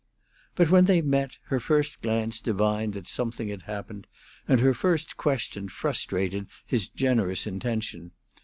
But when they met, her first glance divined that something had happened, and her first question frustrated his generous intention.